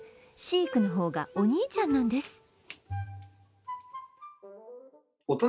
シィクの方がお兄ちゃんなんです。